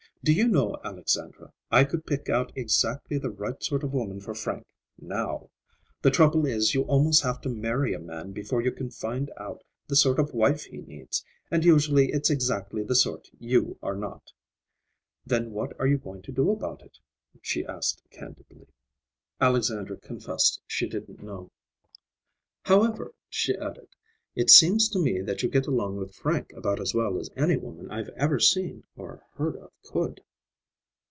Do you know, Alexandra, I could pick out exactly the right sort of woman for Frank—now. The trouble is you almost have to marry a man before you can find out the sort of wife he needs; and usually it's exactly the sort you are not. Then what are you going to do about it?" she asked candidly. Alexandra confessed she didn't know. "However," she added, "it seems to me that you get along with Frank about as well as any woman I've ever seen or heard of could."